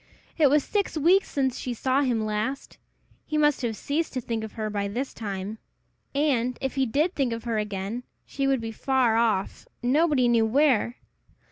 It was six weeks since she saw him last! He must have ceased to think of her by this time! And, if he did think of her again, she would be far off, nobody knew where.